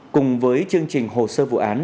cùng với chương trình hồ sơ vụ án